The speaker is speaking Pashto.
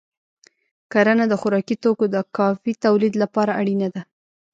کرنه د خوراکي توکو د کافی تولید لپاره اړینه ده.